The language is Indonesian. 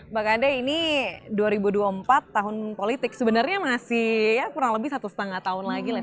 bang ade ini dua ribu dua puluh empat tahun politik sebenarnya masih ya kurang lebih satu setengah tahun lagi lah